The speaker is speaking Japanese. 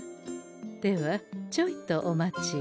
ではちょいとお待ちを。